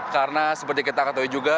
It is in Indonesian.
karena seperti kita ketahui juga